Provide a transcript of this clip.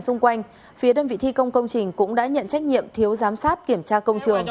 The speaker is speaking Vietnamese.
xung quanh phía đơn vị thi công công trình cũng đã nhận trách nhiệm thiếu giám sát kiểm tra công trường